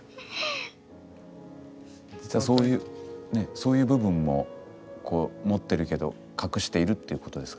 そういう部分もこう持ってるけど隠しているっていうことですか？